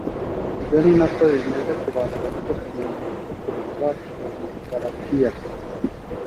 ibyo ni na ko bimeze ku bantu bafite akamenyero ko kureba porunogarafiya